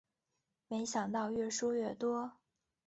没想到越输越多